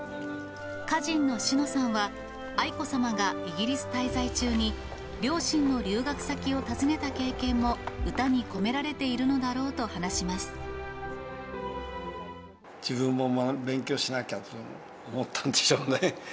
歌人の篠さんは、愛子さまがイギリス滞在中に、両親の留学先を訪ねた経験も歌に込められているのだろうと話します。